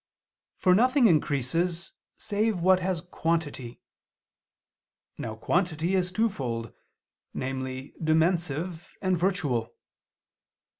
For nothing increases save what has quantity. Now quantity is twofold, namely dimensive and virtual.